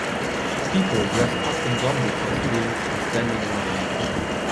people dressed up in zombie costumes are standing around.